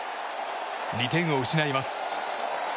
２点を失います。